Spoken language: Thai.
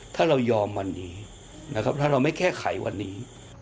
ถ้าเรายอมวันนี้ถ้าเราไม่แค่ไขวันนี้